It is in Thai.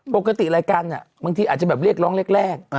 ปกติรายการถึงอาจจะเรียกร้องเลขแรก